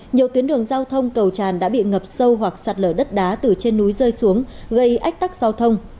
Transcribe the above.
nhiều tuyến đường giao thông cầu tràn đã bị ngập sâu hoặc sạt lở đất đá từ trên núi rơi xuống gây ách tắc giao thông